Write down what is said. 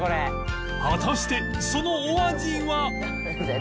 果たしてそのお味は